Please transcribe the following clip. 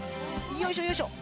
よいしょよいしょ。